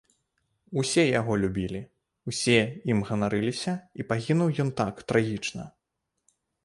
Усе яго любілі, усе ім ганарыліся, і пагінуў ён так трагічна.